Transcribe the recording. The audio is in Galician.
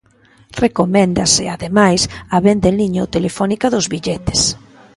Recoméndase, ademais, a venda en liña ou telefónica dos billetes.